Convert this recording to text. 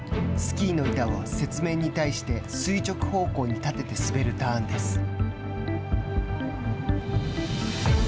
スキーの板を雪面に対して垂直方向に立てて滑るターンです。